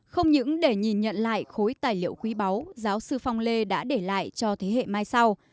không những để nhìn nhận lại khối tài liệu quý báu giáo sư phong lê đã để lại cho thế hệ mai sau